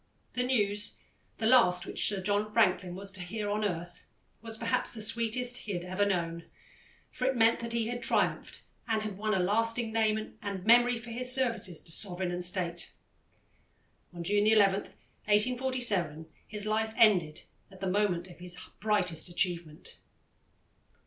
The news, the last which Sir John Franklin was to hear on earth, was perhaps the sweetest he had ever known, for it meant that he had triumphed and had won a lasting name and memory for his services to Sovereign and State. On June 11, 1847, his life ended at the moment of his brightest achievement.